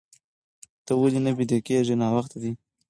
ته ولې نه بيده کيږې؟ ناوخته دي.